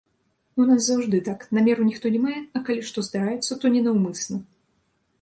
У нас заўжды так, намеру ніхто не мае, а калі што здараецца, то ненаўмысна.